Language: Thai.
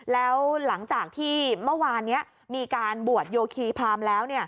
แล้วหลังจากที่เมื่อวานนี้มีการบวชโยคีพรามแล้ว